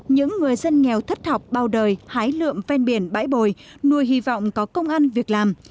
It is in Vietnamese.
những người dân nghèo thất học bao đời hái lượm ven biển bãi bồi nuôi hy vọng có công ăn việc làm